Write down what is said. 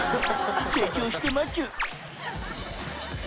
成長してまちゅ］